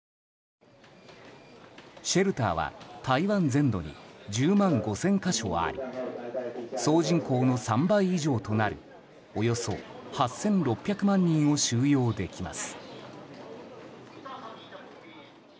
シェルターは台湾全土に１０万５０００か所あり総人口の３倍以上となるおよそ８６００万人を収容できます。